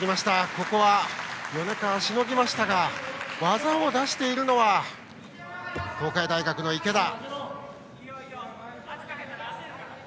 ここは米川、しのぎましたが技を出しているのは東海大学の池田。